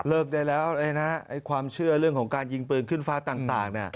ได้แล้วความเชื่อเรื่องของการยิงปืนขึ้นฟ้าต่าง